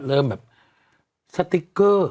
เริ่มแบบสติ๊กเกอร์